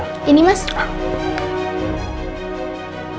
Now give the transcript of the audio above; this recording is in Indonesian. nah ini udah bener ya